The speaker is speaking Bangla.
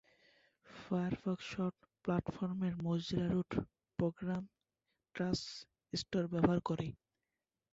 ফায়ারফক্স সব প্ল্যাটফর্মের Mozilla root program trust store ব্যবহার করে।